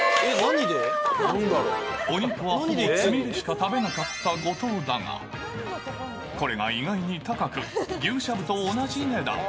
お肉はほぼつみれしか食べなかった後藤だが、これが意外に高く、牛しゃぶと同じ値段。